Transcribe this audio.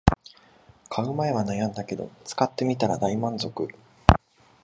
買う前は悩んだけど使ってみたら大満足